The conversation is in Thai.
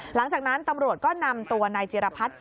หลังจากนั้นตำรวจก็นำตัวนายจิรพัฒน์